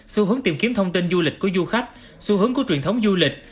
xu hướng tìm kiếm thông tin du lịch của du khách xu hướng của truyền thống du lịch